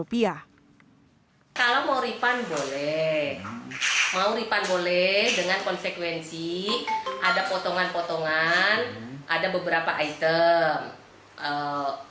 rupiah kalau mau ripan boleh mau ripan boleh dengan konsekuensi ada potongan potongan ada beberapa item